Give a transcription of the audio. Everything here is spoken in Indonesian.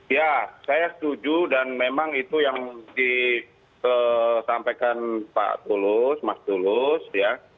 ya saya setuju dan memang itu yang disampaikan pak tulus mas tulus ya